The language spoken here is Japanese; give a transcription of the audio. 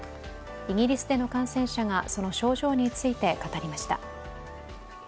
イギリスでの感染者がその症状について語りました。